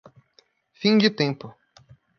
Fim de tempo